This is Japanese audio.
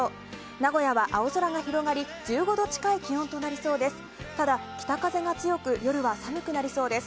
名古屋は青空が広がり１５度近い気温となりそうです。